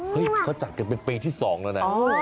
เขาจัดกันเป็นปีที่๒แล้วนะ